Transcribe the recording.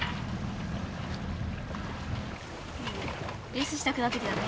レースしたくなってきたね。